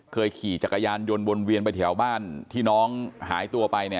ขี่จักรยานยนต์วนเวียนไปแถวบ้านที่น้องหายตัวไปเนี่ย